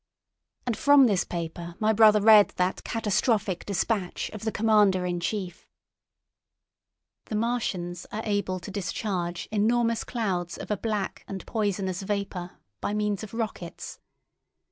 And from this paper my brother read that catastrophic dispatch of the Commander in Chief: "The Martians are able to discharge enormous clouds of a black and poisonous vapour by means of rockets.